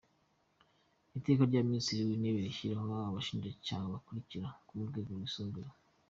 Iteka rya Minisitiri w’Intebe rishyiraho Abashinjacyaha bakurikira bo ku Rwego Rwisumbuye:.